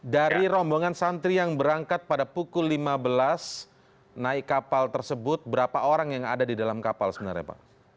dari rombongan santri yang berangkat pada pukul lima belas naik kapal tersebut berapa orang yang ada di dalam kapal sebenarnya pak